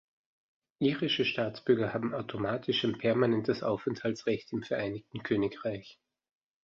Irische Staatsbürger haben automatisch ein permanentes Aufenthaltsrecht im Vereinigten Königreich.